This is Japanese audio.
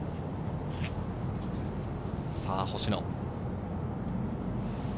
さぁ、星野。